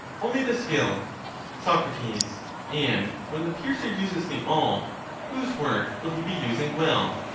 Only the skilled. Soc. And when the piercer uses the awl, whose work will he be using well?